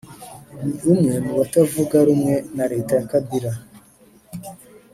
ni umwe mu batavuga rumwe na Leta ya Kabila